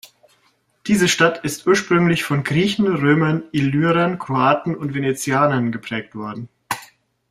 Diese Stadt ist ursprünglich von Griechen, Römern, Illyrern, Kroaten und Venezianern geprägt worden.